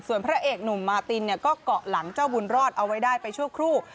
ส่วนพระเอกหนุ่มมาตินเนี่ยก็เกาะหลังเจ้าบุญรอดเอาไว้ได้ไปชั่วครู่